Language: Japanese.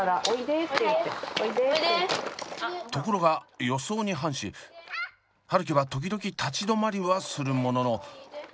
ところが予想に反し春輝は時々立ち止まりはするものの上手に歩けています。